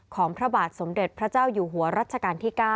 พระบาทสมเด็จพระเจ้าอยู่หัวรัชกาลที่๙